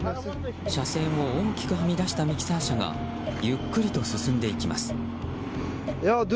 車線を大きくはみ出したミキサー車がゆっくりと進んでいきます。